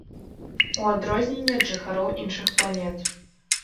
У адрозненні ад жыхароў іншых планет.